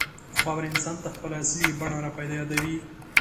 خاوره انسان ته خپله اصلي بڼه راپه یادوي.